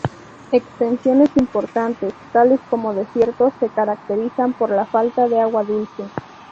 Extensiones importantes, tales como desiertos, se caracterizan por la falta de agua dulce.